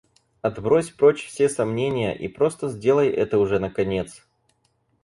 Отбрось прочь все сомнения и просто сделай это уже наконец!